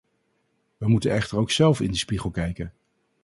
Wij moeten echter ook zelf in de spiegel kijken.